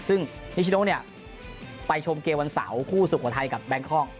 ซึ่งนิชโนเนี่ยไปชมเกมวันเสาร์คู่สุโขทัยกับแบงคอก